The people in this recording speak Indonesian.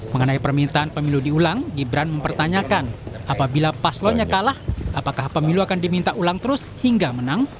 mengenai permintaan pemilu diulang gibran mempertanyakan apabila paslonnya kalah apakah pemilu akan diminta ulang terus hingga menang